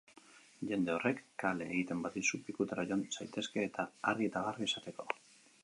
Jende horrek kale egiten badizu pikutara joan zaitezke, argi eta garbi esateko.